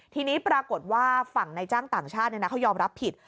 ทีนี้ปรากฏว่าฝั่งในจ้างต่างชาติเขายอมรับผิด